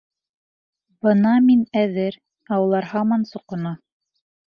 Бына мин әҙер, ә улар һаман соҡона.